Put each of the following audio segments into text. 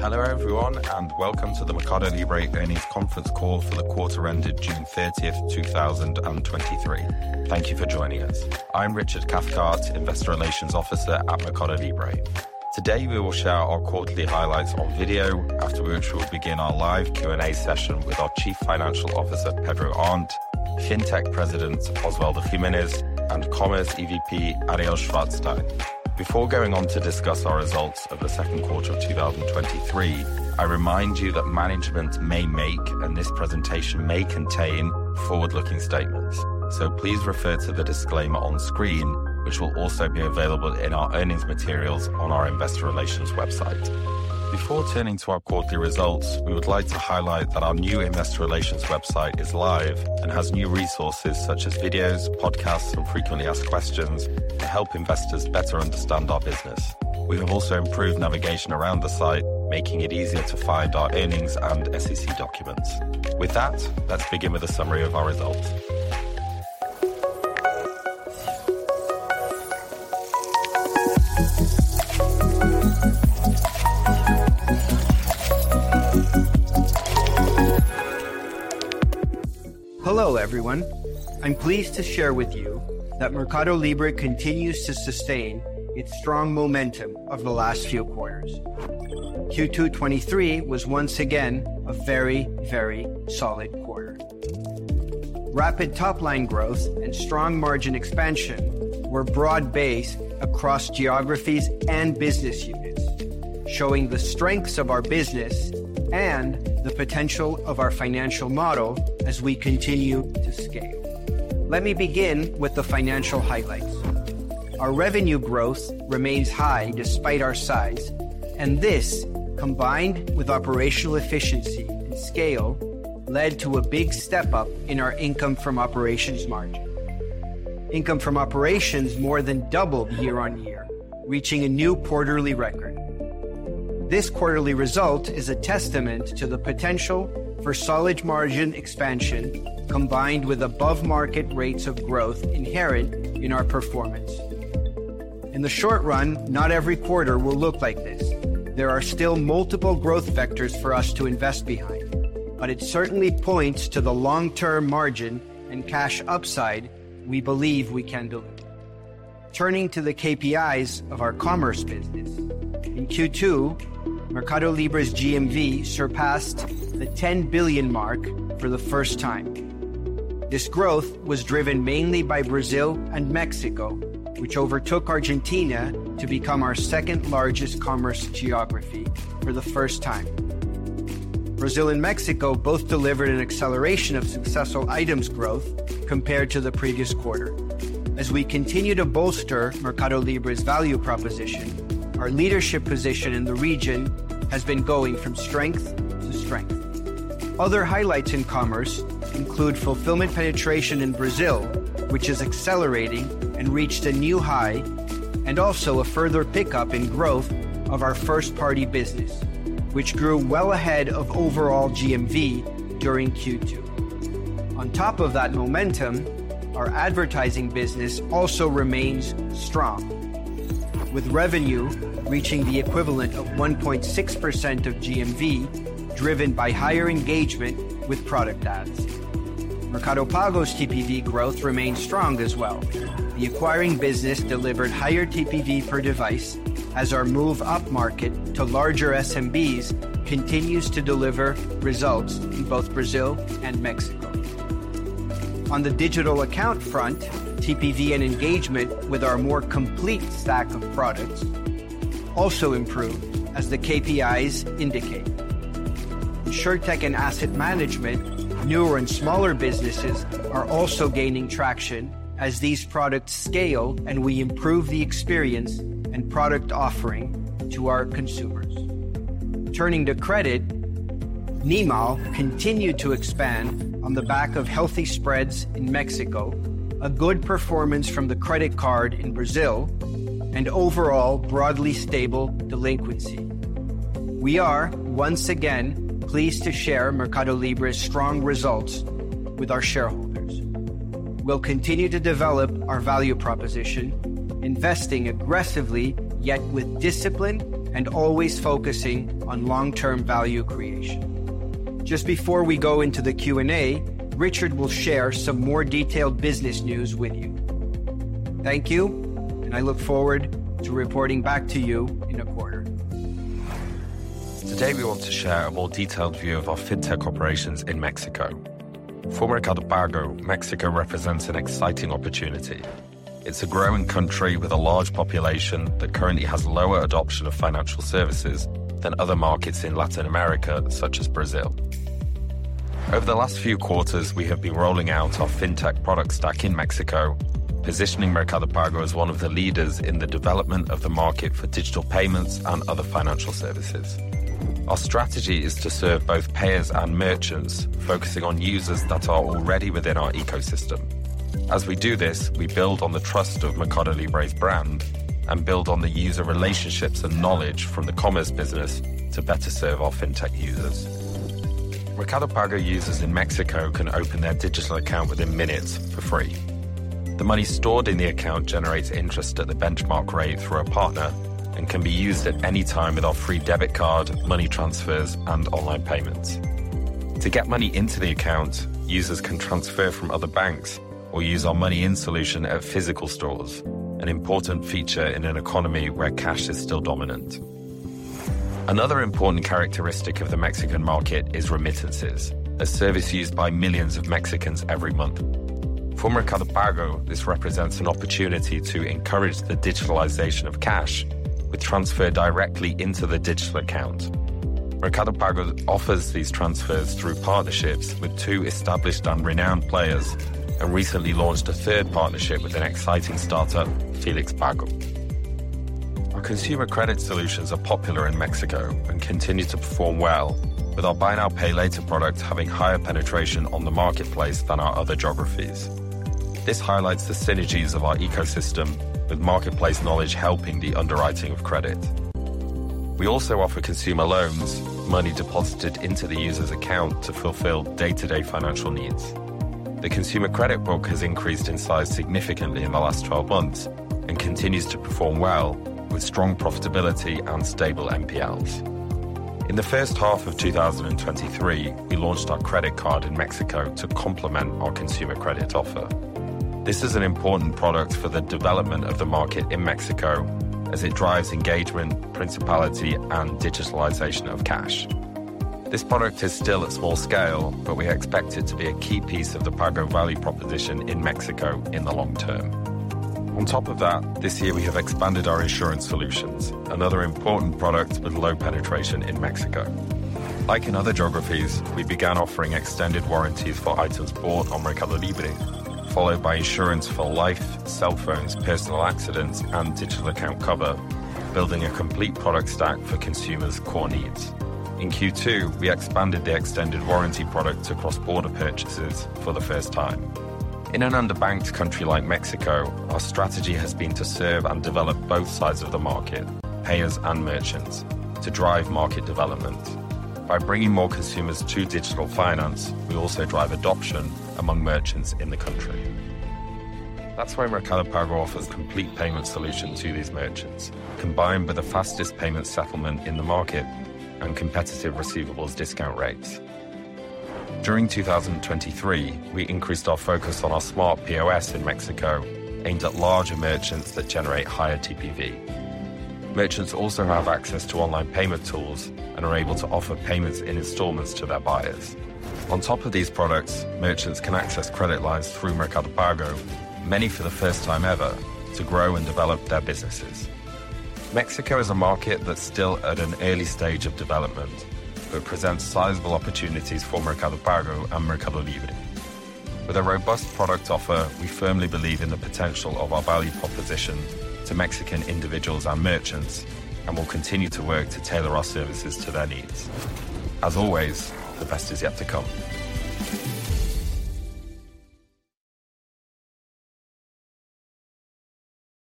Hello, everyone, welcome to the MercadoLibre Earnings Conference Call for the quarter ended June 30th, 2023. Thank you for joining us. I'm Richard Cathcart, Investor Relations Officer at MercadoLibre. Today, we will share our quarterly highlights on video, after which we'll begin our live Q&A session with our Chief Financial Officer, Pedro Arnt, Fintech President, Osvaldo Gimenez, and Commerce EVP, Ariel Szarfsztejn. Before going on to discuss our results of the Q2 of 2023, I remind you that management may make, and this presentation may contain, forward-looking statements. Please refer to the disclaimer on screen, which will also be available in our earnings materials on our investor relations website. Before turning to our quarterly results, we would like to highlight that our new investor relations website is live and has new resources such as videos, podcasts, and frequently asked questions to help investors better understand our business. We have also improved navigation around the site, making it easier to find our earnings and SEC documents. With that, let's begin with a summary of our results. Hello, everyone. I'm pleased to share with you that MercadoLibre continues to sustain its strong momentum of the last few quarters. Q2 '2023 was once again a very, very solid quarter. Rapid top-line growth and strong margin expansion were broad-based across geographies and business units, showing the strengths of our business and the potential of our financial model as we continue to scale. Let me begin with the financial highlights. Our revenue growth remains high despite our size, and this, combined with operational efficiency and scale, led to a big step up in our income from operations margin. Income from operations more than doubled year-on-year, reaching a new quarterly record. This quarterly result is a testament to the potential for solid margin expansion, combined with above-market rates of growth inherent in our performance. In the short run, not every quarter will look like this. There are still multiple growth vectors for us to invest behind, but it certainly points to the long-term margin and cash upside we believe we can deliver. Turning to the KPIs of our commerce business. In Q2, MercadoLibre's GMV surpassed the $10 billion mark for the first time. This growth was driven mainly by Brazil and Mexico, which overtook Argentina to become our second-largest commerce geography for the first time. Brazil and Mexico both delivered an acceleration of successful items growth compared to the previous quarter. As we continue to bolster MercadoLibre's value proposition, our leadership position in the region has been going from strength to strength. Other highlights in commerce include fulfillment penetration in Brazil, which is accelerating and reached a new high, and also a further pickup in growth of our first-party business, which grew well ahead of overall GMV during Q2. On top of that momentum, our advertising business also remains strong, with revenue reaching the equivalent of 1.6% of GMV, driven by higher engagement with product ads. Mercado Pago's TPV growth remains strong as well. The acquiring business delivered higher TPV per device as our move upmarket to larger SMBs continues to deliver results in both Brazil and Mexico. On the digital account front, TPV and engagement with our more complete stack of products also improved, as the KPIs indicate. Insurtech and asset management, newer and smaller businesses, are also gaining traction as these products scale, and we improve the experience and product offering to our consumers. Turning to credit, NIMAL continued to expand on the back of healthy spreads in Mexico, a good performance from the credit card in Brazil, and overall, broadly stable delinquency. We are once again pleased to share MercadoLibre's strong results with our shareholders. We'll continue to develop our value proposition, investing aggressively, yet with discipline and always focusing on long-term value creation. Just before we go into the Q&A, Richard will share some more detailed business news with you. Thank you, and I look forward to reporting back to you in a quarter. Today, we want to share a more detailed view of our fintech operations in Mexico. For Mercado Pago, Mexico represents an exciting opportunity. It's a growing country with a large population that currently has lower adoption of financial services than other markets in Latin America, such as Brazil. Over the last few quarters, we have been rolling out our fintech product stack in Mexico, positioning Mercado Pago as one of the leaders in the development of the market for digital payments and other financial services. Our strategy is to serve both payers and merchants, focusing on users that are already within our ecosystem. As we do this, we build on the trust of MercadoLibre's brand and build on the user relationships and knowledge from the commerce business to better serve our fintech users. Mercado Pago users in Mexico can open their digital account within minutes for free. The money stored in the account generates interest at the benchmark rate through our partner, and can be used at any time with our free debit card, money transfers, and online payments. To get money into the account, users can transfer from other banks or use our money in solution at physical stores, an important feature in an economy where cash is still dominant. Another important characteristic of the Mexican market is remittances, a service used by millions of Mexicans every month. For Mercado Pago, this represents an opportunity to encourage the digitalization of cash, with transfer directly into the digital account. Mercado Pago offers these transfers through partnerships with two established and renowned players, and recently launched a third partnership with an exciting startup, Felix Pago. Our consumer credit solutions are popular in Mexico and continue to perform well, with our buy now, pay later product having higher penetration on the marketplace than our other geographies. This highlights the synergies of our ecosystem, with marketplace knowledge helping the underwriting of credit. We also offer consumer loans, money deposited into the user's account to fulfill day-to-day financial needs. The consumer credit book has increased in size significantly in the last 12 months and continues to perform well with strong profitability and stable NPLs. In the first half of 2023, we launched our credit card in Mexico to complement our consumer credit offer. This is an important product for the development of the market in Mexico as it drives engagement, principality, and digitalization of cash. This product is still at small scale, but we expect it to be a key piece of the Pago value proposition in Mexico in the long term. On top of that, this year we have expanded our insurance solutions, another important product with low penetration in Mexico. Like in other geographies, we began offering extended warranties for items bought on MercadoLibre, followed by insurance for life, cell phones, personal accidents, and digital account cover, building a complete product stack for consumers' core needs. In Q2, we expanded the extended warranty product to cross-border purchases for the first time. In an underbanked country like Mexico, our strategy has been to serve and develop both sides of the market, payers and merchants, to drive market development. By bringing more consumers to digital finance, we also drive adoption among merchants in the country. That's why Mercado Pago offers complete payment solution to these merchants, combined with the fastest payment settlement in the market and competitive receivables discount rates. During 2023, we increased our focus on our smart POS in Mexico, aimed at larger merchants that generate higher TPV. Merchants also have access to online payment tools and are able to offer payments in installments to their buyers. On top of these products, merchants can access credit lines through Mercado Pago, many for the first time ever, to grow and develop their businesses. Mexico is a market that's still at an early stage of development, but presents sizable opportunities for Mercado Pago and MercadoLibre. With a robust product offer, we firmly believe in the potential of our value proposition to Mexican individuals and merchants, and will continue to work to tailor our services to their needs. As always, the best is yet to come.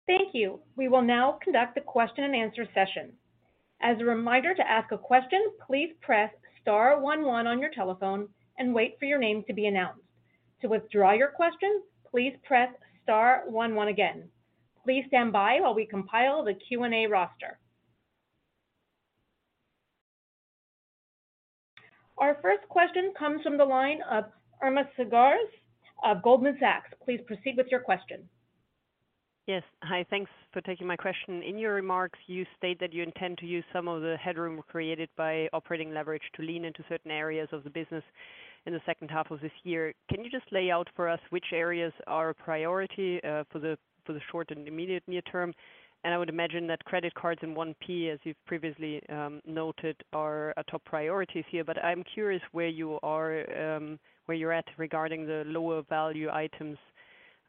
Thank you. We will now conduct a question and answer session. As a reminder, to ask a question, please press star one one on your telephone and wait for your name to be announced. To withdraw your question, please press star one one again. Please stand by while we compile the Q&A roster. Our first question comes from the line of Irma Sgarz of Goldman Sachs. Please proceed with your question. Yes. Hi, thanks for taking my question. In your remarks, you stated that you intend to use some of the headroom created by operating leverage to lean into certain areas of the business in the 2nd half of this year. Can you just lay out for us which areas are a priority for the, for the short and immediate near term? I would imagine that credit cards and 1P, as you've previously noted, are a top priorities here. I'm curious where you are where you're at regarding the lower value items,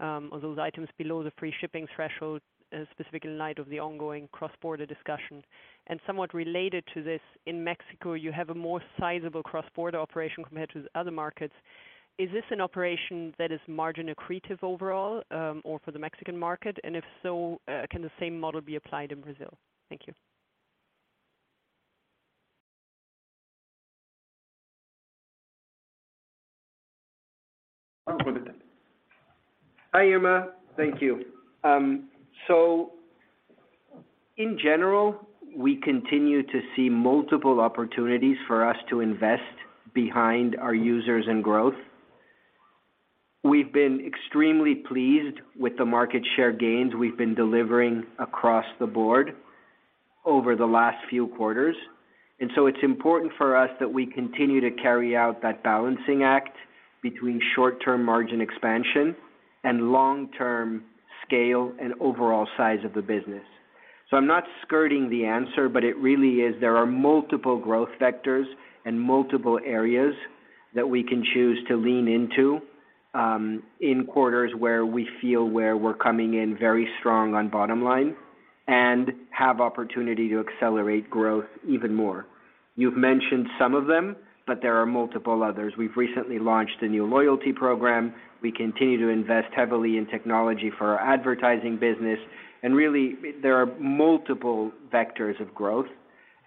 or those items below the free shipping threshold, specifically in light of the ongoing cross-border discussion. Somewhat related to this, in Mexico, you have a more sizable cross-border operation compared to the other markets. Is this an operation that is margin accretive overall, or for the Mexican market? If so, can the same model be applied in Brazil? Thank you. Hi, Irma. Thank you. In general, we continue to see multiple opportunities for us to invest behind our users and growth. We've been extremely pleased with the market share gains we've been delivering across the board over the last few quarters. It's important for us that we continue to carry out that balancing act between short-term margin expansion and long-term scale and overall size of the business. I'm not skirting the answer, but it really is there are multiple growth vectors and multiple areas that we can choose to lean into in quarters where we feel where we're coming in very strong on bottom line and have opportunity to accelerate growth even more. You've mentioned some of them, but there are multiple others. We've recently launched a new loyalty program. We continue to invest heavily in technology for our advertising business, and really, there are multiple vectors of growth....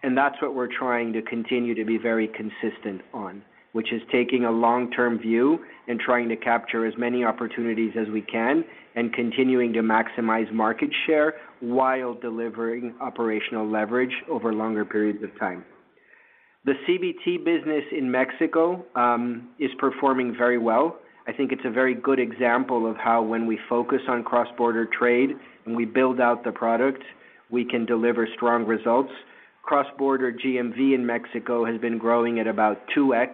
and that's what we're trying to continue to be very consistent on, which is taking a long-term view and trying to capture as many opportunities as we can, and continuing to maximize market share while delivering operational leverage over longer periods of time. The CBT business in Mexico is performing very well. I think it's a very good example of how when we focus on cross-border trade and we build out the product, we can deliver strong results. Cross-border GMV in Mexico has been growing at about 2x,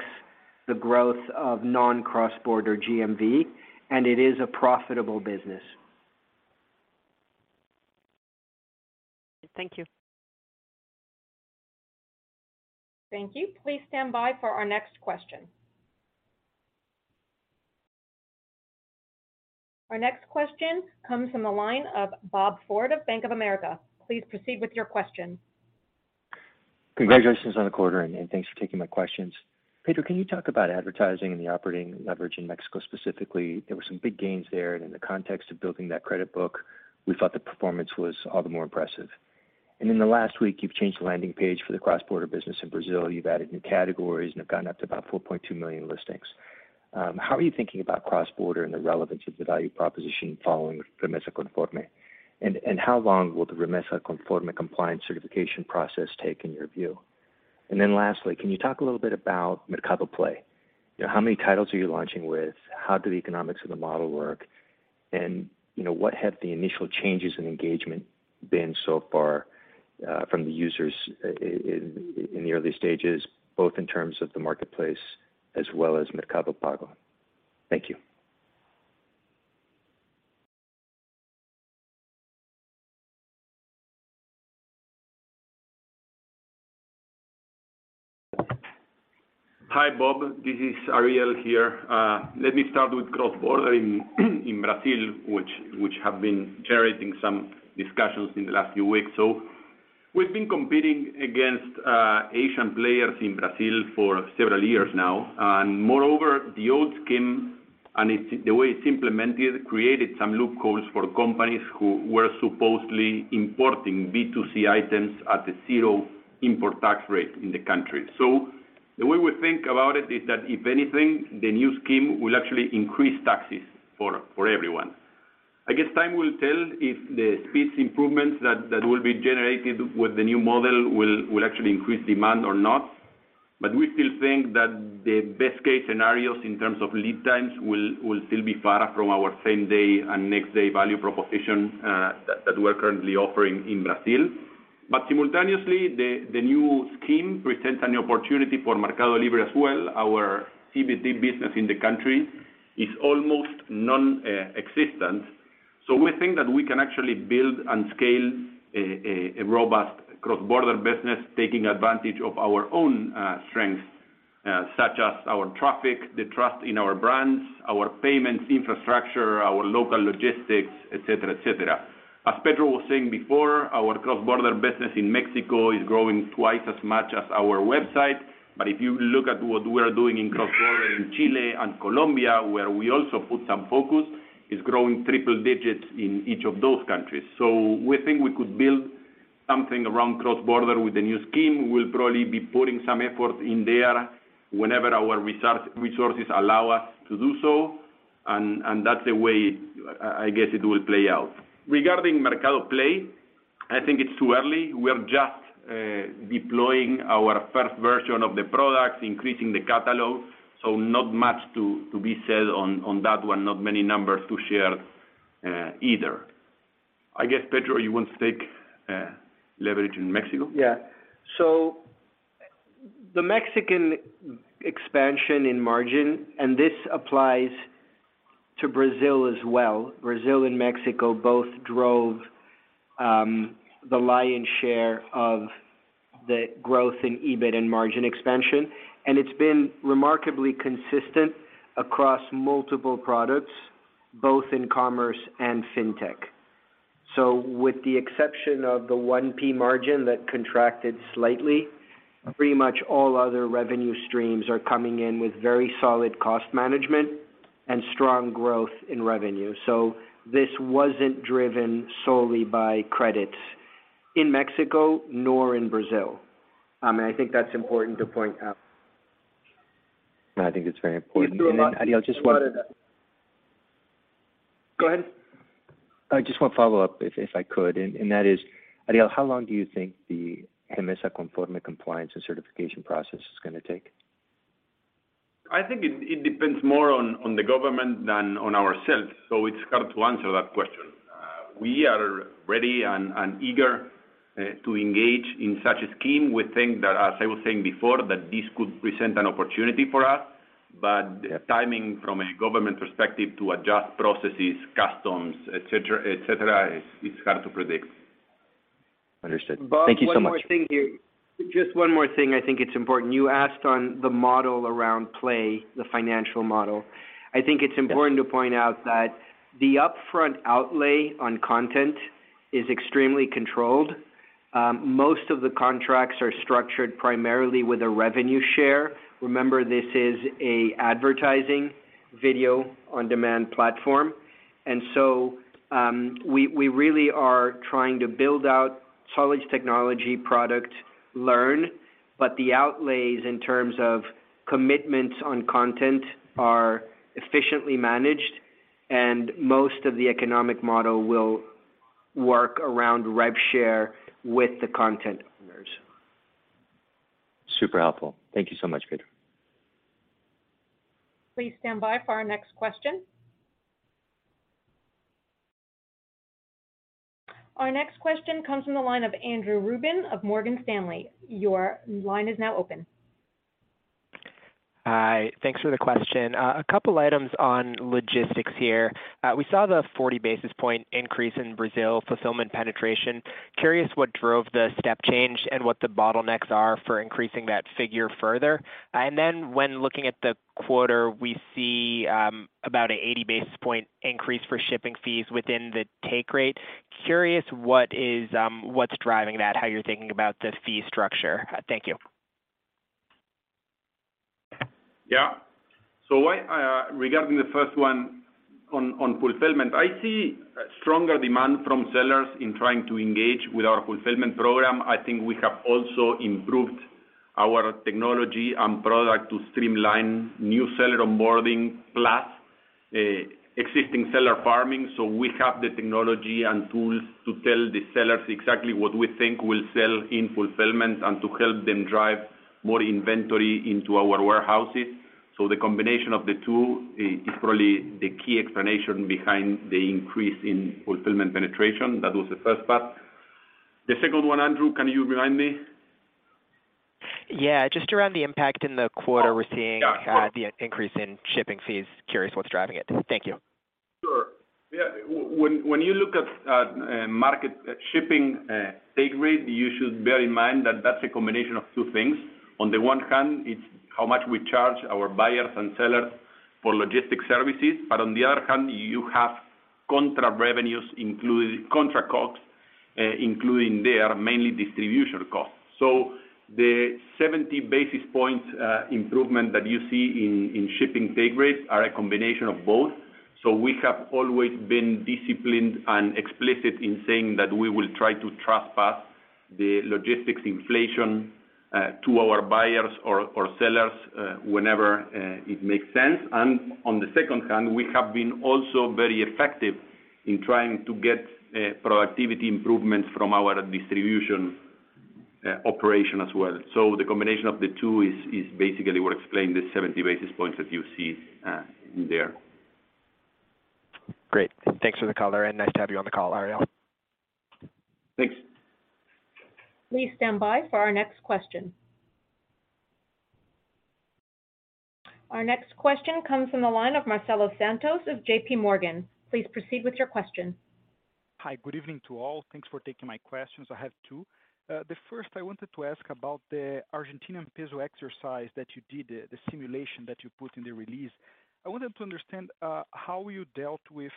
the growth of non-cross-border GMV, and it is a profitable business. Thank you. Thank you. Please stand by for our next question. Our next question comes from the line of Bob Ford of Bank of America. Please proceed with your question. Congratulations on the quarter, thanks for taking my questions. Pedro, can you talk about advertising and the operating leverage in Mexico specifically? There were some big gains there, in the context of building that credit book, we thought the performance was all the more impressive. In the last week, you've changed the landing page for the cross-border business in Brazil. You've added new categories, and you've gotten up to about 4.2 million listings. How are you thinking about cross-border and the relevance of the value proposition following Remessa Conforme? How long will the Remessa Conforme compliance certification process take, in your view? Lastly, can you talk a little bit about Mercado Play? How many titles are you launching with? How do the economics of the model work? You know, what have the initial changes in engagement been so far, from the users in the early stages, both in terms of the marketplace as well as Mercado Pago? Thank you. Hi, Bob. This is Ariel here. Let me start with cross-border in, in Brazil, which, which have been generating some discussions in the last few weeks. We've been competing against Asian players in Brazil for several years now. Moreover, the old scheme and the way it's implemented, created some loopholes for companies who were supposedly importing B2C items at a 0 import tax rate in the country. The way we think about it is that if anything, the new scheme will actually increase taxes for, for everyone. I guess time will tell if the speed improvements that, that will be generated with the new model will, will actually increase demand or not, but we still think that the best-case scenarios in terms of lead times will, will still be far from our same day and next day value proposition, that, that we're currently offering in Brazil. Simultaneously, the new scheme presents a new opportunity for MercadoLibre as well. Our CBT business in the country is almost non-existent. We think that we can actually build and scale a robust cross-border business, taking advantage of our own strengths, such as our traffic, the trust in our brands, our payments infrastructure, our local logistics, et cetera, et cetera. As Pedro was saying before, our cross-border business in Mexico is growing twice as much as our website. If you look at what we are doing in cross-border in Chile and Colombia, where we also put some focus, it's growing triple digits in each of those countries. We think we could build something around cross-border with the new scheme. We'll probably be putting some effort in there whenever our resources allow us to do so, and that's the way I, I guess it will play out. Regarding Mercado Play, I think it's too early. We are just deploying our first version of the product, increasing the catalog, so not much to be said on that one, not many numbers to share either. I guess, Pedro, you want to take leverage in Mexico? Yeah. The Mexican expansion in margin, and this applies to Brazil as well. Brazil and Mexico both drove the lion share of the growth in EBIT and margin expansion, and it's been remarkably consistent across multiple products, both in commerce and fintech. With the exception of the 1P margin that contracted slightly, pretty much all other revenue streams are coming in with very solid cost management and strong growth in revenue. This wasn't driven solely by credits in Mexico nor in Brazil. I think that's important to point out. I think it's very important. Ariel, I just want- Go ahead. I just want to follow up if, if I could, and, and that is, Ariel, how long do you think the Remessa Conforme compliance and certification process is gonna take? I think it, it depends more on, on the government than on ourselves. It's hard to answer that question. We are ready and, and eager to engage in such a scheme. We think that, as I was saying before, that this could present an opportunity for us. Timing from a government perspective to adjust processes, customs, et cetera, et cetera, is, it's hard to predict. Understood. Thank you so much. Bob, one more thing here. Just one more thing. I think it's important. You asked on the model around Play, the financial model. Yeah. I think it's important to point out that the upfront outlay on content is extremely controlled. Most of the contracts are structured primarily with a revenue share. Remember, this is a advertising video on demand platform. We, we really are trying to build out solid technology product, learn, but the outlays in terms of commitments on content are efficiently managed, and most of the economic model will work around rev share with the content owners. Super helpful. Thank you so much, Pedro. Please stand by for our next question. Our next question comes from the line of Andrew Ruben of Morgan Stanley. Your line is now open. Hi. Thanks for the question. A couple items on logistics here. We saw the 40 basis point increase in Brazil fulfillment penetration. Curious what drove the step change and what the bottlenecks are for increasing that figure further? When looking at the quarter, we see, about a 80 basis point increase for shipping fees within the take rate. Curious, what is, what's driving that, how you're thinking about the fee structure? Thank you. Yeah. Why, regarding the first one on fulfillment, I see stronger demand from sellers in trying to engage with our fulfillment program. I think we have also improved our technology and product to streamline new seller onboarding, plus, existing seller farming. We have the technology and tools to tell the sellers exactly what we think will sell in fulfillment and to help them drive more inventory into our warehouses. The combination of the two is, is probably the key explanation behind the increase in fulfillment penetration. That was the first part. The second one, Andrew, can you remind me? Yeah, just around the impact in the quarter we're seeing- Oh, yeah. the increase in shipping fees. Curious what's driving it. Thank you. Sure. Yeah. When, when you look at, at market shipping, take rate, you should bear in mind that that's a combination of two things. On the one hand, it's how much we charge our buyers and sellers for logistic services, but on the other hand, you have contra revenues, including contra costs, including there, mainly distribution costs. The 70 basis points improvement that you see in, in shipping take rates are a combination of both. We have always been disciplined and explicit in saying that we will try to trust pass the logistics inflation to our buyers or, or sellers whenever it makes sense. On the second hand, we have been also very effective in trying to get productivity improvements from our distribution operation as well. The combination of the two is, is basically what explain the 70 basis points that you see in there. Great. Thanks for the color, and nice to have you on the call, Ariel. Thanks. Please stand by for our next question. Our next question comes from the line of Marcelo Santos of JPMorgan. Please proceed with your question. Hi, good evening to all. Thanks for taking my questions. I have two. The first, I wanted to ask about the Argentinian peso exercise that you did, the simulation that you put in the release. I wanted to understand how you dealt with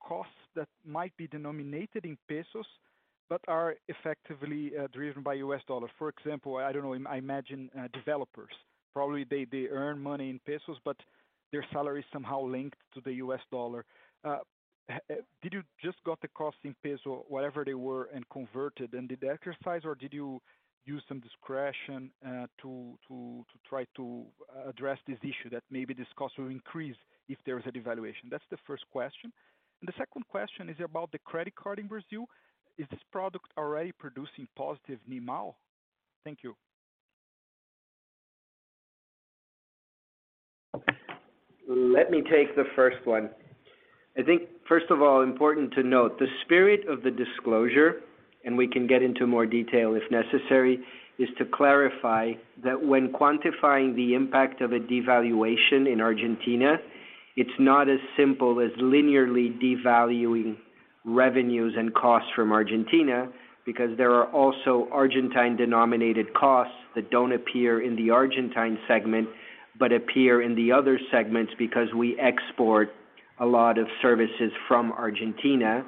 costs that might be denominated in pesos, but are effectively driven by US dollar. For example, I don't know, I imagine developers, probably they, they earn money in pesos, but their salary is somehow linked to the US dollar. Did you just got the cost in peso, whatever they were, and converted, and did the exercise, or did you use some discretion to try to address this issue that maybe this cost will increase if there is a devaluation? That's the first question. The second question is about the credit card in Brazil. Is this product already producing positive NIMAL? Thank you. Let me take the first one. I think, first of all, important to note, the spirit of the disclosure, and we can get into more detail if necessary, is to clarify that when quantifying the impact of a devaluation in Argentina, it's not as simple as linearly devaluing revenues and costs from Argentina, because there are also Argentine peso-denominated costs that don't appear in the Argentine segment, but appear in the other segments, because we export a lot of services from Argentina,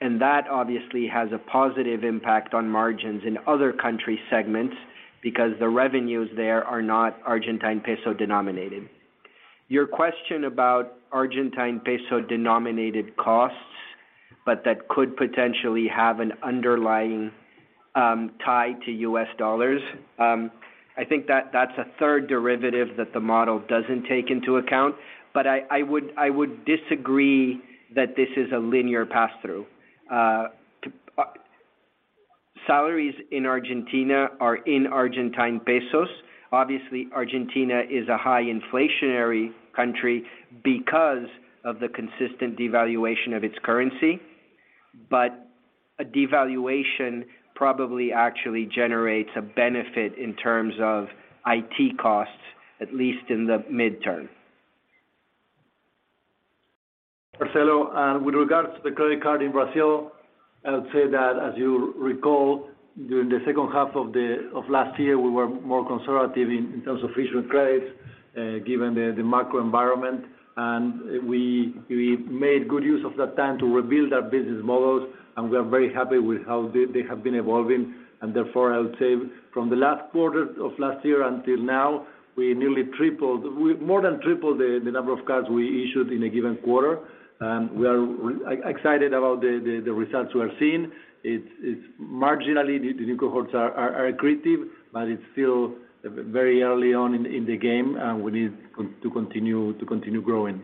and that obviously has a positive impact on margins in other country segments because the revenues there are not Argentine peso denominated. Your question about Argentine peso-denominated costs, but that could potentially have an underlying tie to US dollars, I think that, that's a third derivative that the model doesn't take into account, but I, I would, I would disagree that this is a linear pass-through. Salaries in Argentina are in Argentine pesos. Obviously, Argentina is a high inflationary country because of the consistent devaluation of its currency, but a devaluation probably actually generates a benefit in terms of IT costs, at least in the midterm. Marcelo, with regards to the credit card in Brazil, I would say that as you recall, during the second half of last year, we were more conservative in terms of issuing credits, given the macro environment. We made good use of that time to rebuild our business models, and we are very happy with how they have been evolving. Therefore, I would say from the last quarter of last year until now, we nearly tripled, we more than tripled the number of cards we issued in a given quarter. We are excited about the results we are seeing. It's marginally, the new cohorts are creative, but it's still very early on in the game, and we need to continue to continue growing.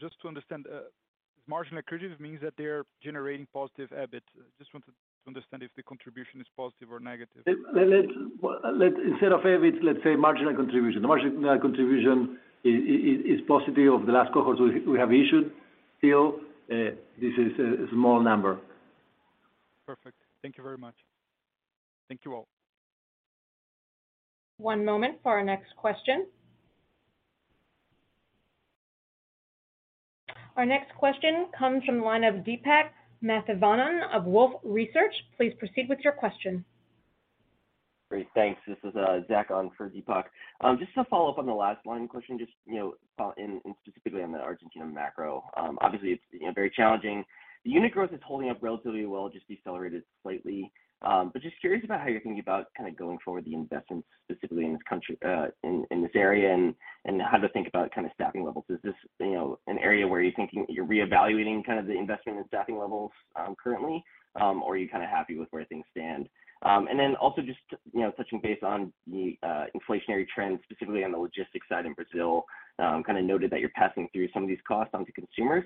Just to understand, marginal accretive means that they are generating positive EBIT. Just wanted to understand if the contribution is positive or negative? Instead of EBIT, let's say marginal contribution. The marginal contribution is, is, is positive of the last cohorts we, we have issued. Still, this is a, a small number. Perfect. Thank you very much. Thank you, all. One moment for our next question. Our next question comes from the line of Deepak Mathivanan of Wolfe Research. Please proceed with your question. Great, thanks. This is Zach on for Deepak. Just to follow up on the last line question, just, you know, in, in specifically on the Argentina macro, obviously, it's, you know, very challenging. The unit growth is holding up relatively well, just decelerated slightly. Just curious about how you're thinking about kind of going forward, the investments specifically in this country, in, in this area, and, and how to think about kind of staffing levels. Is this, you know, an area where you're thinking, you're reevaluating kind of the investment in staffing levels, currently? Are you kind of happy with where things stand? Then also just, you know, touching base on the inflationary trends, specifically on the logistics side in Brazil. Kind of noted that you're passing through some of these costs on to consumers.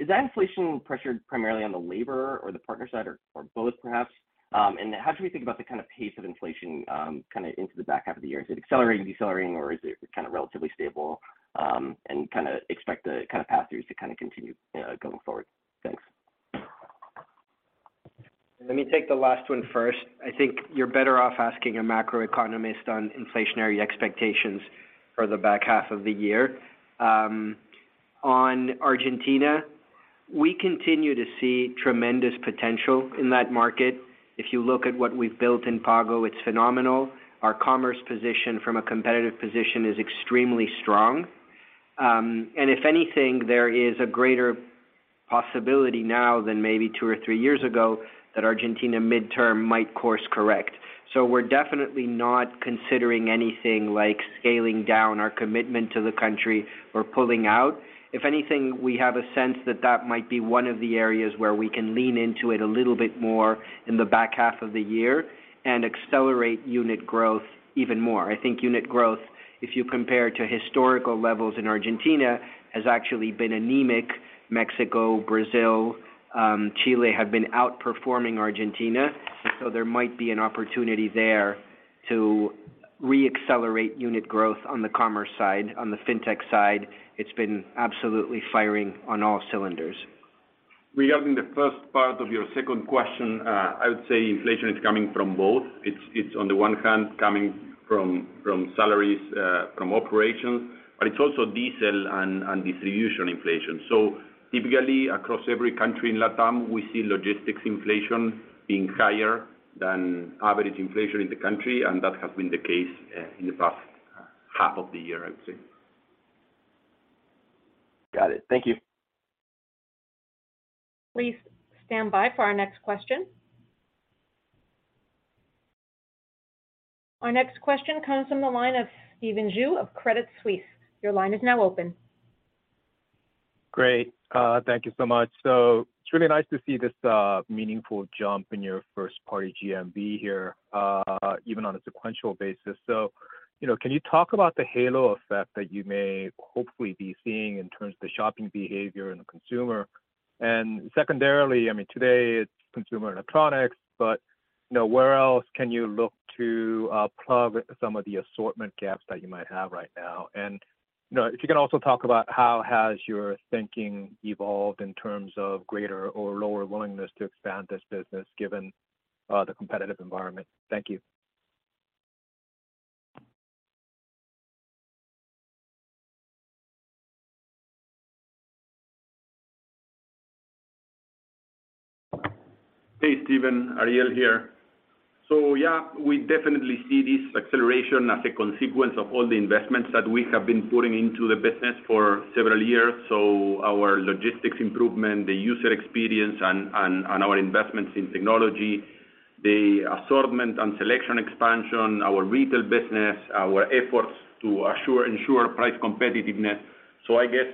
Is that inflation pressure primarily on the labor or the partner side or, or both perhaps? How should we think about the kind of pace of inflation, kind of into the back half of the year? Is it accelerating, decelerating, or is it kind of relatively stable, and kind of expect the kind of pass-throughs to kind of continue, going forward? Thanks. Let me take the last one first. I think you're better off asking a macroeconomist on inflationary expectations for the back half of the year. On Argentina, we continue to see tremendous potential in that market. If you look at what we've built in Pago, it's phenomenal. Our commerce position from a competitive position is extremely strong. If anything, there is a greater possibility now than maybe two or three years ago, that Argentina midterm might course correct. We're definitely not considering anything like scaling down our commitment to the country or pulling out. If anything, we have a sense that that might be one of the areas where we can lean into it a little bit more in the back half of the year and accelerate unit growth even more. I think unit growth, if you compare to historical levels in Argentina, has actually been anemic. Mexico, Brazil, Chile, have been outperforming Argentina, and so there might be an opportunity there to reaccelerate unit growth on the commerce side. On the fintech side, it's been absolutely firing on all cylinders. Regarding the first part of your second question, I would say inflation is coming from both. It's, it's on the one hand, coming from, from salaries, from operations, but it's also diesel and, and distribution inflation. Typically, across every country in LATAM, we see logistics inflation being higher than average inflation in the country, and that has been the case in the past half of the year, I would say. Got it. Thank you. Please stand by for our next question. Our next question comes from the line of Stephen Ju of Credit Suisse. Your line is now open. Great. Thank you so much. It's really nice to see this meaningful jump in your first party GMV here, even on a sequential basis. You know, can you talk about the halo effect that you may hopefully be seeing in terms of the shopping behavior in the consumer? Secondarily, I mean, today it's consumer electronics, but, you know, where else can you look to plug some of the assortment gaps that you might have right now? You know, if you can also talk about how has your thinking evolved in terms of greater or lower willingness to expand this business, given the competitive environment. Thank you. Hey, Stephen, Ariel here. Yeah, we definitely see this acceleration as a consequence of all the investments that we have been putting into the business for several years. Our logistics improvement, the user experience and our investments in technology, the assortment and selection expansion, our retail business, our efforts to assure, ensure price competitiveness. I guess,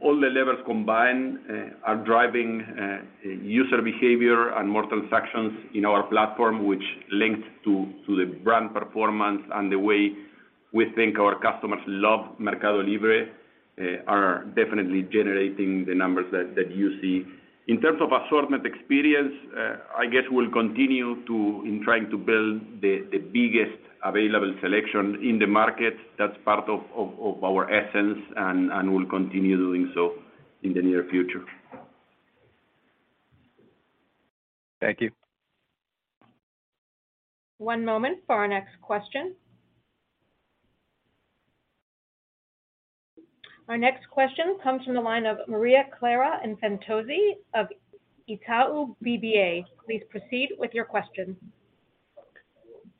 all the levels combined, are driving user behavior and more transactions in our platform, which links to the brand performance and the way we think our customers love MercadoLibre, are definitely generating the numbers that you see. In terms of assortment experience, I guess we'll continue to in trying to build the biggest available selection in the market. That's part of our essence, and we'll continue doing so in the near future. Thank you. One moment for our next question. Our next question comes from the line of Maria Clara Infantozzi of Itaú BBA. Please proceed with your question.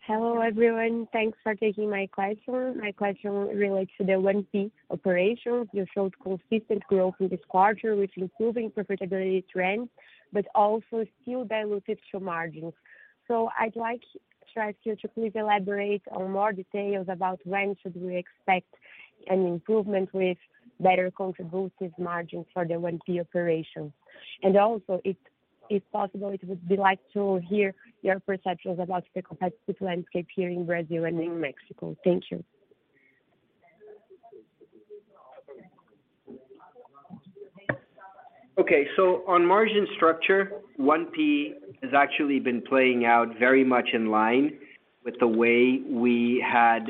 Hello, everyone. Thanks for taking my question. My question relates to the 1P operation. You showed consistent growth in this quarter, with improving profitability trend, but also still diluted show margins. I'd like you to please elaborate on more details about when should we expect an improvement with better contributive margins for the 1P operation? Also, If possible, it would be like to hear your perceptions about the competitive landscape here in Brazil and in Mexico. Thank you. Okay. On margin structure, 1P has actually been playing out very much in line with the way we had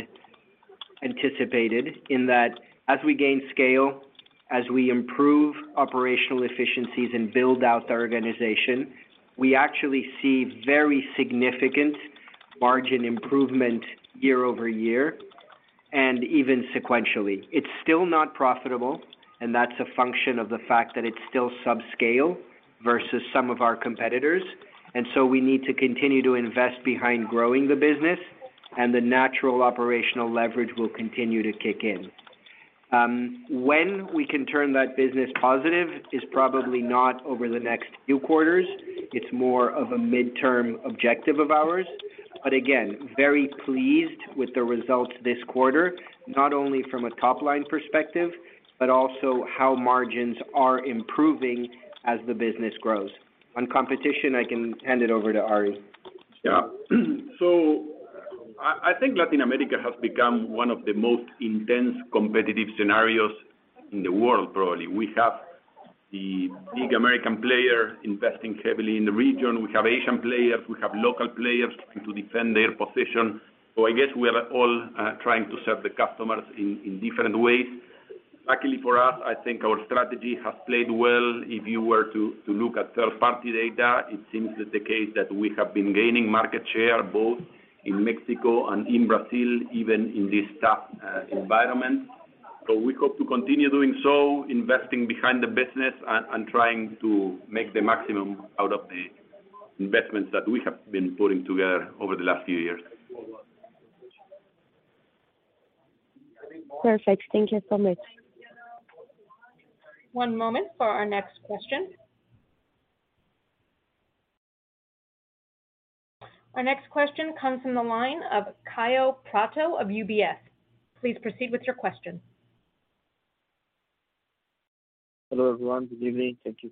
anticipated, in that as we gain scale, as we improve operational efficiencies and build out the organization, we actually see very significant margin improvement year-over-year and even sequentially. It's still not profitable, and that's a function of the fact that it's still subscale versus some of our competitors. We need to continue to invest behind growing the business, and the natural operational leverage will continue to kick in. When we can turn that business positive is probably not over the next few quarters. It's more of a midterm objective of ours. Again, very pleased with the results this quarter, not only from a top-line perspective, but also how margins are improving as the business grows. On competition, I can hand it over to Ari. Yeah. I, I think Latin America has become one of the most intense competitive scenarios in the world, probably. We have the big American player investing heavily in the region. We have Asian players, we have local players trying to defend their position. I guess we are all trying to serve the customers in, in different ways. Luckily for us, I think our strategy has played well. If you were to, to look at third-party data, it seems that the case that we have been gaining market share, both in Mexico and in Brazil, even in this tough environment. We hope to continue doing so, investing behind the business and, and trying to make the maximum out of the investments that we have been putting together over the last few years. Perfect. Thank you so much. One moment for our next question. Our next question comes from the line of Kaio Prato of UBS. Please proceed with your question. Hello, everyone. Good evening. Thank you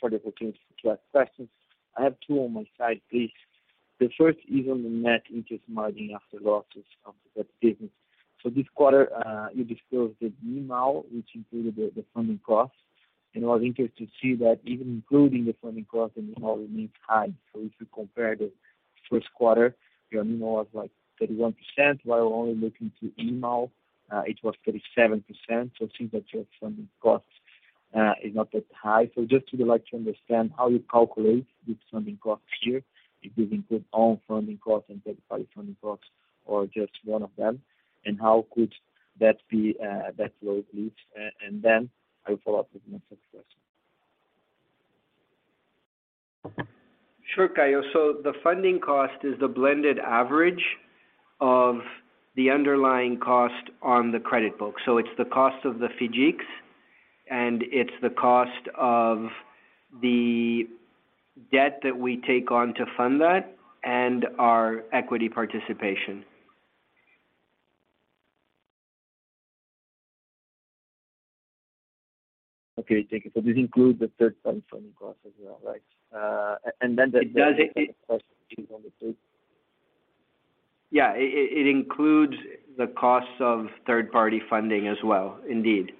for the opportunity to ask questions. I have two on my side, please. The 1st is on the Net Interest Margin After Losses from the credit business. This quarter, you disclosed the NIM, which included the funding costs, and I was interested to see that even including the funding cost, the NIM remains high. If you compare the Q1, your NIM was like 31%, while only looking to NIM, it was 37%. It seems that your funding cost is not that high. Just would like to understand how you calculate the funding costs here, if you include all funding costs and third-party funding costs or just one of them, and how could that be that low, please? Then I will follow up with my 2nd question. Sure, Kaio. The funding cost is the blended average of the underlying cost on the credit book. It's the cost of the FIDCs, and it's the cost of the debt that we take on to fund that and our equity participation. Okay, thank you. This includes the third-party funding costs as well, right? And then the- It does. - Yeah, it includes the costs of third-party funding as well. Indeed.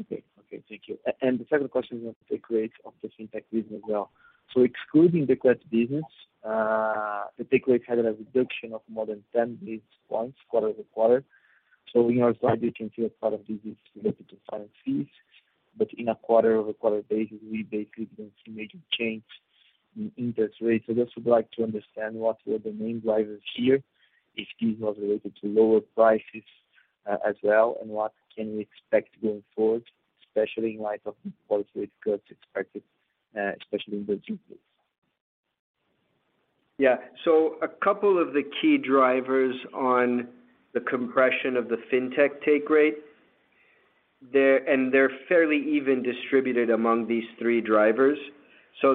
Okay. Okay, thank you. The second question is on the take rate of the Fintech business as well. Excluding the credit business, the take rate had a reduction of more than 10 basis points, quarter-over-quarter. We know slightly you can see a part of this is related to finance fees, but in a quarter-over-quarter basis, we basically didn't see major change in interest rates. I just would like to understand what were the main drivers here, if this was related to lower prices as well, and what can we expect going forward, especially in light of the policy cuts expected especially in the future? A couple of the key drivers on the compression of the Fintech take rate, they're. They're fairly even distributed among these three drivers.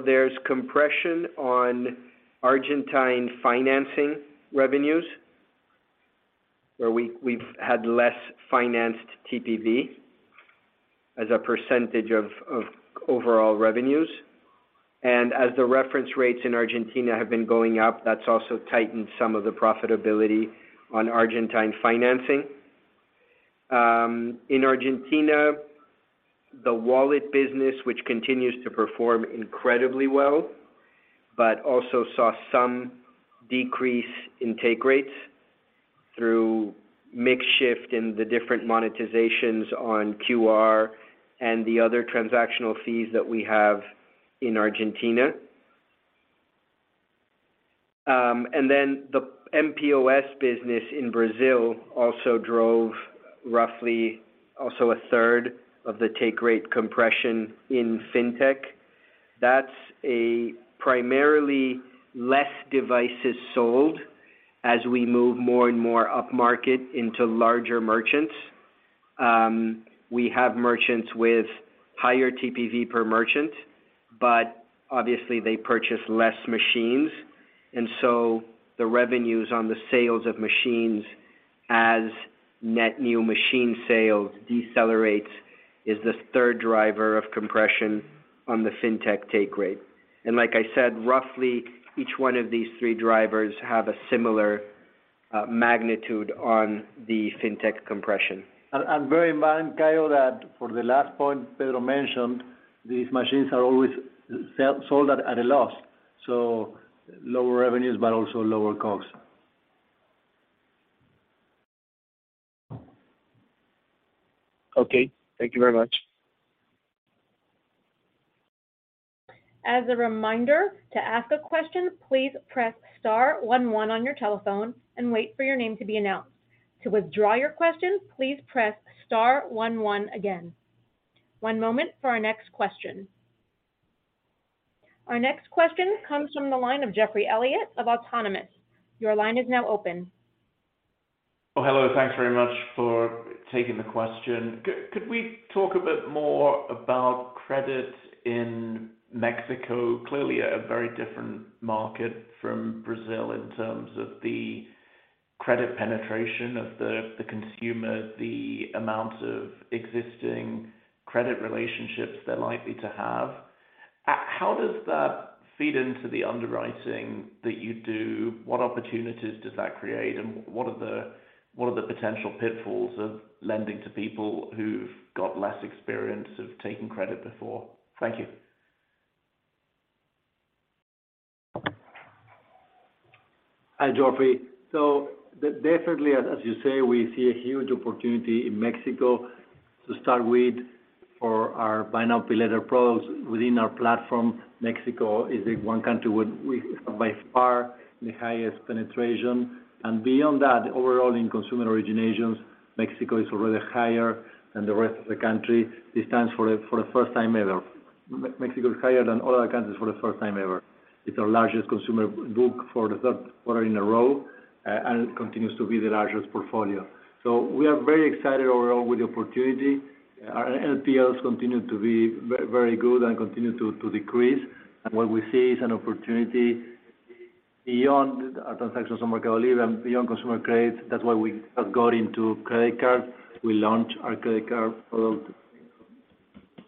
There's compression on Argentine financing revenues, where we've had less financed TPV as a percentage of overall revenues. As the reference rates in Argentina have been going up, that's also tightened some of the profitability on Argentine financing. In Argentina, the wallet business, which continues to perform incredibly well, but also saw some decrease in take rates through mix shift in the different monetizations on QR and the other transactional fees that we have in Argentina. And then the mPOS business in Brazil also drove roughly also a third of the take rate compression in Fintech. That's primarily less devices sold as we move more and more upmarket into larger merchants. We have merchants with higher TPV per merchant, but-... obviously, they purchase less machines, and so the revenues on the sales of machines as net new machine sales decelerates, is the third driver of compression on the fintech take rate. Like I said, roughly, each one of these three drivers have a similar magnitude on the fintech compression. and very in mind, Kyle, that for the last point Pedro mentioned, these machines are always sold at a loss, so lower revenues, but also lower costs. Okay, thank you very much. As a reminder, to ask a question, please press star one one on your telephone and wait for your name to be announced. To withdraw your question, please press star one one again. One moment for our next question. Our next question comes from the line of Geoffrey Elliott of Autonomous. Your line is now open. Well, hello, thanks very much for taking the question. Could we talk a bit more about credit in Mexico? Clearly, a very different market from Brazil in terms of the credit penetration of the, the consumer, the amount of existing credit relationships they're likely to have. How does that feed into the underwriting that you do? What opportunities does that create? What are the, what are the potential pitfalls of lending to people who've got less experience of taking credit before? Thank you. Hi, Geoffrey. Definitely, as you say, we see a huge opportunity in Mexico to start with for our buy now, pay later products within our platform. Mexico is the one country where we, by far, the highest penetration. Beyond that, overall in consumer originations, Mexico is already higher than the rest of the country. This stands for the first time ever. Mexico is higher than other countries for the first time ever. It's our largest consumer book for the Q3 in a row and continues to be the largest portfolio. We are very excited overall with the opportunity. Our NPLs continue to be very good and continue to decrease. What we see is an opportunity beyond our transactions on MercadoLibre and beyond consumer credit. That's why we just got into credit card. We launched our credit card product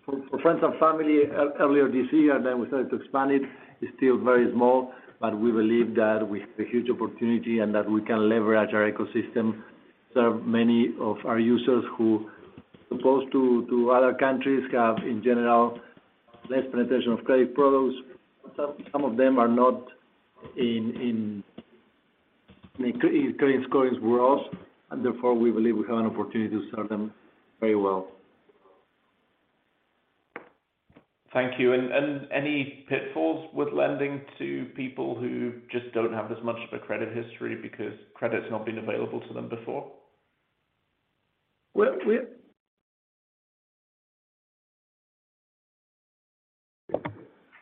for, for friends and family earlier this year, and then we started to expand it. It's still very small, but we believe that we have a huge opportunity and that we can leverage our ecosystem, serve many of our users who, as opposed to, to other countries, have, in general, less penetration of credit products. Some, some of them are not in, in, in credit scores growth, and therefore, we believe we have an opportunity to serve them very well. Thank you. Any pitfalls with lending to people who just don't have as much of a credit history because credit's not been available to them before?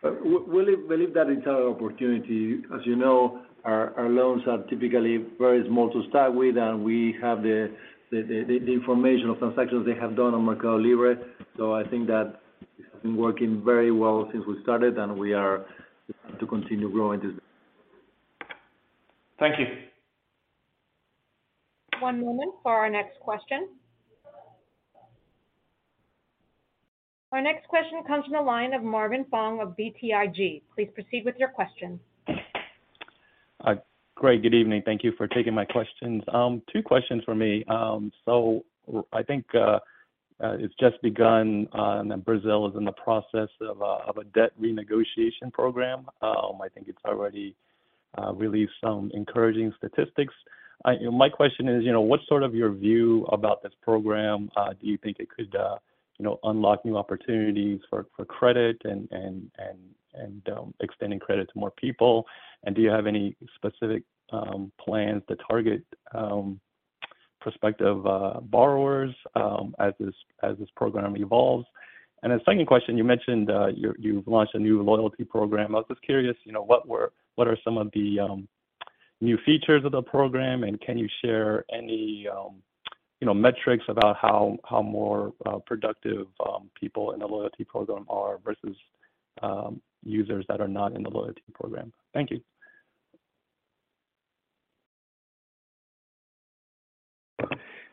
Well, we believe that it's our opportunity. As you know, our loans are typically very small to start with, and we have the information of transactions they have done on MercadoLibre. I think that it's been working very well since we started, and we are to continue growing this. Thank you. One moment for our next question. Our next question comes from the line of Marvin Fong of BTIG. Please proceed with your question. Great. Good evening. Thank you for taking my questions. Two questions for me. I think it's just begun, and that Brazil is in the process of a debt renegotiation program. I think it's already released some encouraging statistics. My question is, you know, what's sort of your view about this program? Do you think it could, you know, unlock new opportunities for credit and extending credit to more people? Do you have any specific plans to target prospective borrowers as this program evolves? The second question, you mentioned, you've launched a new loyalty program. I was just curious, you know, what were... What are some of the new features of the program, and can you share any, you know, metrics about how, how more productive people in the loyalty program are versus users that are not in the loyalty program? Thank you.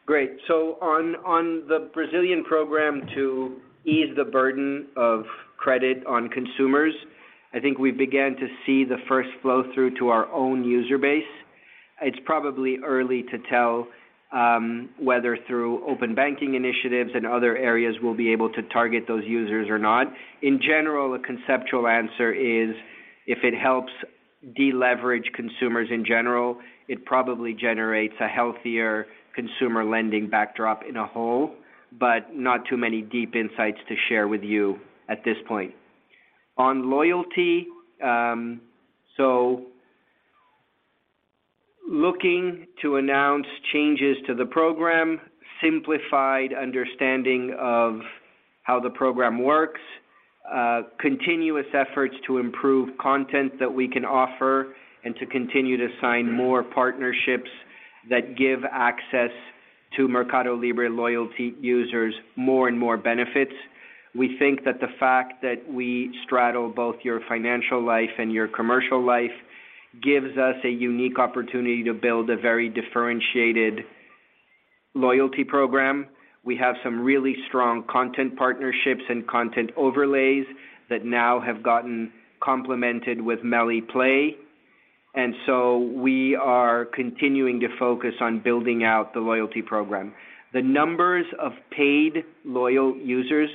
Great. On, on the Brazilian program to ease the burden of credit on consumers, I think we began to see the first flow-through to our own user base. It's probably early to tell, whether through open banking initiatives and other areas, we'll be able to target those users or not. In general, the conceptual answer is, if it helps deleverage consumers in general, it probably generates a healthier consumer lending backdrop in a whole, but not too many deep insights to share with you at this point. On loyalty, looking to announce changes to the program, simplified understanding of how the program works, continuous efforts to improve content that we can offer, and to continue to sign more partnerships that give access... to MercadoLibre loyalty users more and more benefits. We think that the fact that we straddle both your financial life and your commercial life, gives us a unique opportunity to build a very differentiated loyalty program. We have some really strong content partnerships and content overlays that now have gotten complemented with Meli Play. We are continuing to focus on building out the loyalty program. The numbers of paid loyal users,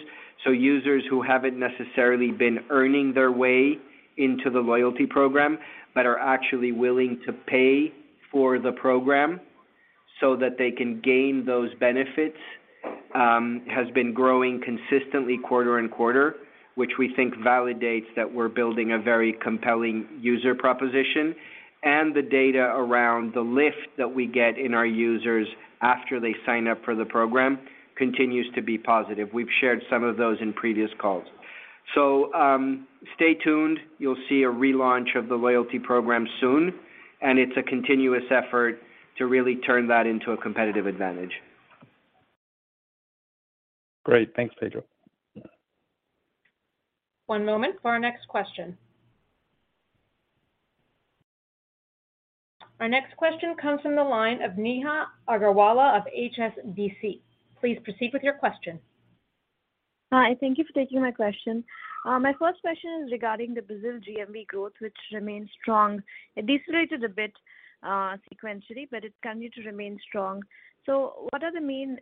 so users who haven't necessarily been earning their way into the loyalty program, but are actually willing to pay for the program so that they can gain those benefits, has been growing consistently quarter-and-quarter, which we think validates that we're building a very compelling user proposition. The data around the lift that we get in our users after they sign up for the program continues to be positive. We've shared some of those in previous calls. Stay tuned. You'll see a relaunch of the loyalty program soon, and it's a continuous effort to really turn that into a competitive advantage. Great! Thanks, Pedro. One moment for our next question. Our next question comes from the line of Neha Agarwala of HSBC. Please proceed with your question. Hi, thank you for taking my question. My first question is regarding the Brazil GMV growth, which remains strong. It decelerated a bit sequentially, but it continued to remain strong. What are the main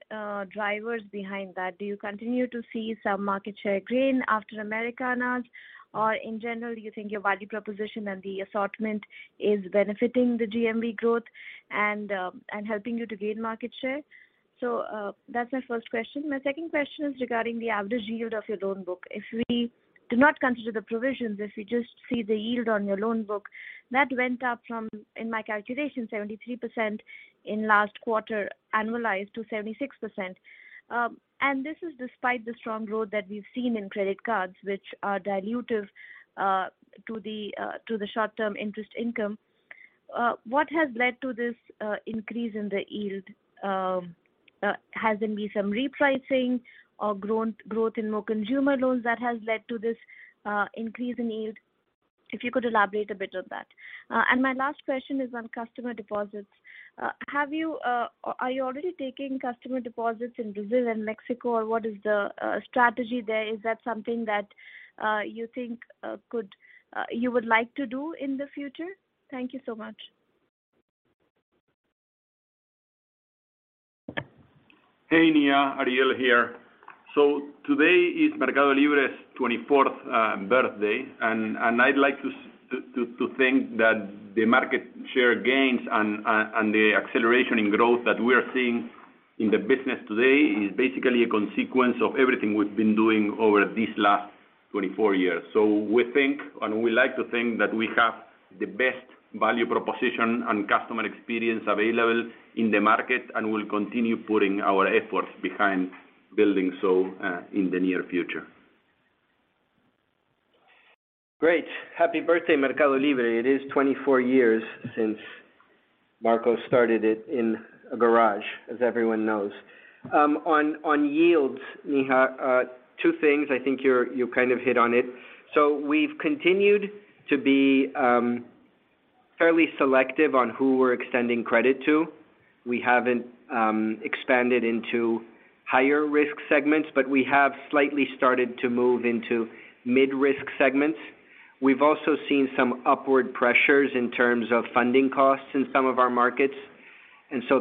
drivers behind that? Do you continue to see some market share gain after Americanas? In general, do you think your value proposition and the assortment is benefiting the GMV growth and helping you to gain market share? That's my first question. My second question is regarding the average yield of your loan book. If we do not consider the provisions, if we just see the yield on your loan book, that went up from, in my calculation, 73% in last quarter, annualized to 76%. This is despite the strong growth that we've seen in credit cards, which are dilutive to the short-term interest income. What has led to this increase in the yield? Has there been some repricing or growth in more consumer loans that has led to this increase in yield? If you could elaborate a bit on that. My last question is on customer deposits. Have you, are you already taking customer deposits in Brazil and Mexico, or what is the strategy there? Is that something that you think could you would like to do in the future? Thank you so much. Hey, Neha, Ariel here. Today is MercadoLibre's 24th birthday, and I'd like to think that the market share gains and the acceleration in growth that we are seeing in the business today is basically a consequence of everything we've been doing over these last 24 years. We think, and we like to think that we have the best value proposition and customer experience available in the market, and we'll continue putting our efforts behind building so in the near future. Great! Happy birthday, MercadoLibre. It is 24 years since Marco started it in a garage, as everyone knows. On, on yields, Neha, two things, I think you kind of hit on it. We've continued to be fairly selective on who we're extending credit to. We haven't expanded into higher risk segments, but we have slightly started to move into mid-risk segments. We've also seen some upward pressures in terms of funding costs in some of our markets,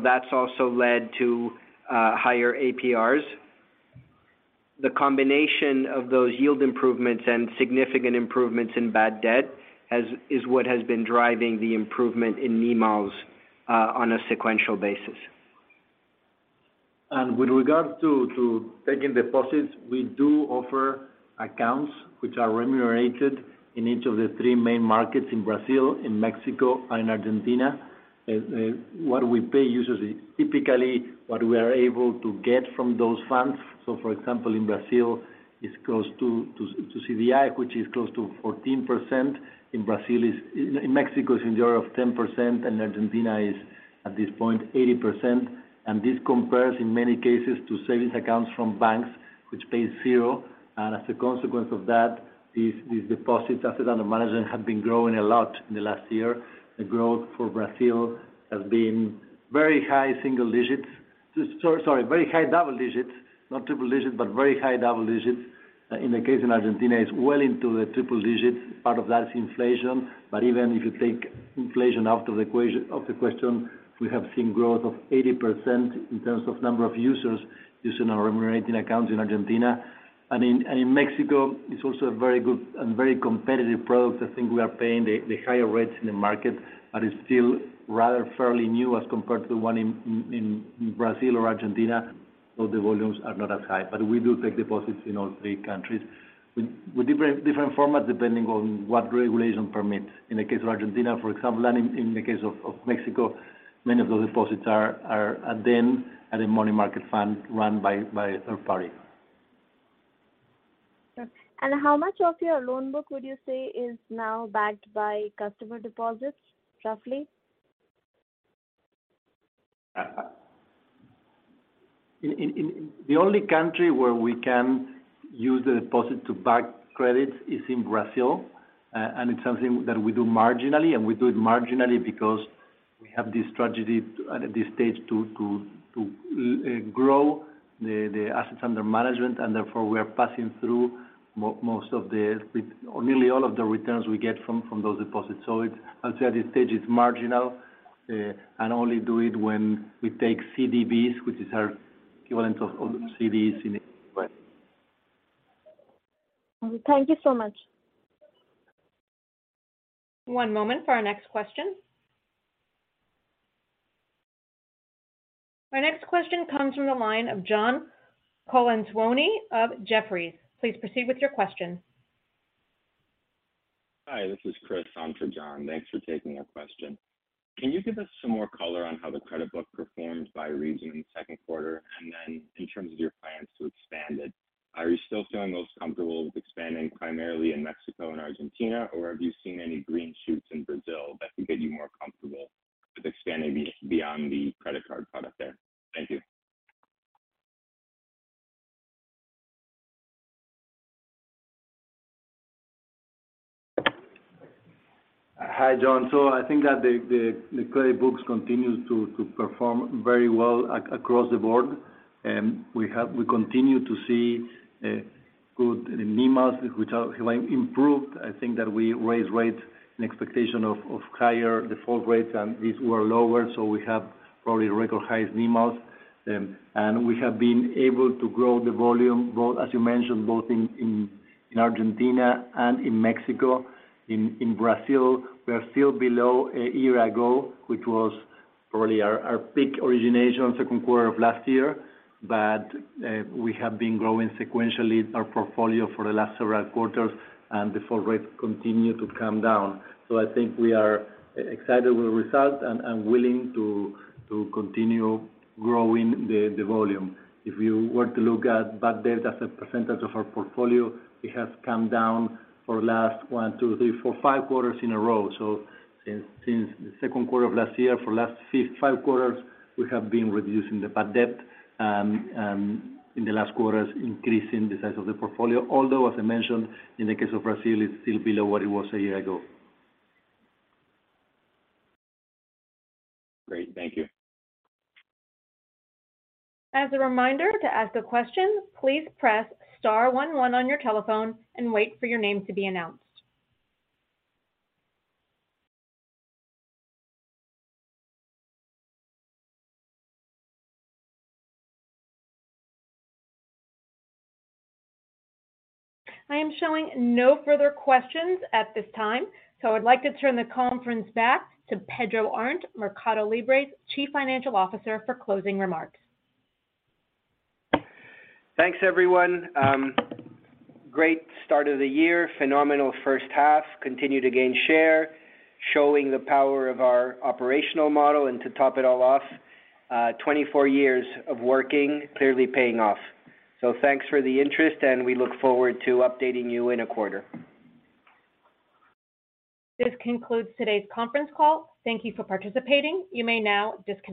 that's also led to higher APRs. The combination of those yield improvements and significant improvements in bad debt is what has been driving the improvement in NIMAs on a sequential basis. With regards to, to taking deposits, we do offer accounts which are remunerated in each of the three main markets in Brazil, in Mexico, and Argentina. What we pay users is typically what we are able to get from those funds. For example, in Brazil, it's close to, to, to CDI, which is close to 14%. In Mexico, it's in the order of 10%, and Argentina is, at this point, 80%. This compares in many cases to savings accounts from banks, which pay 0. As a consequence of that, these, these deposits, assets under management, have been growing a lot in the last year. The growth for Brazil has been very high single digits. Sorry, very high double digits, not triple digits, but very high double digits. In the case in Argentina, it's well into the triple digits. Part of that is inflation, but even if you take inflation out of the question, we have seen growth of 80% in terms of number of users using our remunerating accounts in Argentina. In Mexico, it's also a very good and very competitive product. I think we are paying the higher rates in the market, but it's still rather fairly new as compared to the one in Brazil or Argentina, so the volumes are not as high. We do take deposits in all three countries with different formats, depending on what regulation permits. In the case of Argentina, for example, and in, in the case of, of Mexico, many of those deposits are, are at them, at a money market fund run by, by a third party. How much of your loan book would you say is now backed by customer deposits, roughly? In the only country where we can use the deposit to back credits is in Brazil. It's something that we do marginally, and we do it marginally because we have this strategy at this stage to grow the assets under management, therefore, we are passing through most of the, with nearly all of the returns we get from, from those deposits. It's, I'll say at this stage, it's marginal, only do it when we take CDBs, which is our equivalent of CDs in the US. Thank you so much. One moment for our next question. My next question comes from the line of John Colantuoni of Jefferies. Please proceed with your question. Hi, this is Chris on for John. Thanks for taking our question. Can you give us some more color on how the credit book performed by region in the Q2, and then in terms of your plans to expand it, are you still feeling most comfortable with expanding primarily in Mexico and Argentina, or have you seen any green shoots in Brazil that would get you more comfortable with expanding beyond the credit card product there? Thank you. Hi, John. I think that the credit books continues to perform very well across the board. We continue to see good NIMALs, which have improved. I think that we raised rates in expectation of higher default rates, and these were lower, so we have probably record high NIMALs. We have been able to grow the volume, both, as you mentioned, in Argentina and in Mexico. In Brazil, we are still below a year ago, which was probably our peak origination on Q2 of last year. We have been growing sequentially our portfolio for the last several quarters, and default rates continue to come down. I think we are excited with the results and willing to continue growing the volume. If you were to look at bad debt as a percentage of our portfolio, it has come down for last one, two, three, four, five quarters in a row. Since the Q2 of last year, for last five quarters, we have been reducing the bad debt in the last quarters, increasing the size of the portfolio. Although, as I mentioned, in the case of Brazil, it's still below what it was a year ago. Great. Thank you. As a reminder to ask a question, please press star 11 on your telephone and wait for your name to be announced. I am showing no further questions at this time, I would like to turn the conference back to Pedro Arnt, MercadoLibre's Chief Financial Officer, for closing remarks. Thanks, everyone. great start of the year, phenomenal first half, continue to gain share, showing the power of our operational model, and to top it all off, 24 years of working, clearly paying off. Thanks for the interest, and we look forward to updating you in a quarter. This concludes today's conference call. Thank you for participating. You may now disconnect.